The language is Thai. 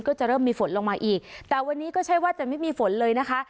ก็จะเริ่มมีฝนลงมาอีกแต่วันนี้ก็ใช่ว่าจะไม่มีฝนเลยนะคะ